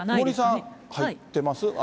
森さん、入ってます？